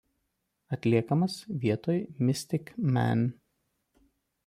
Atliekamos vietoj „Mystic Man“.